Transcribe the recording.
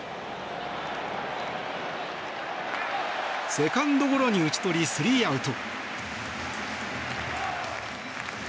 セカンドゴロに打ち取り３アウト。